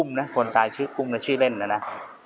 อุ้มนะคนตายอุ้มชื่อเล่นนะนะ